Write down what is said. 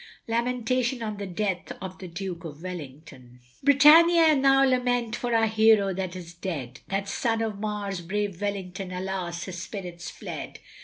LAMENTATION ON THE DEATH OF THE Duke of Wellington. Britannia now lament for our Hero that is dead, That son of Mars, brave Wellington, alas, his spirit's fled.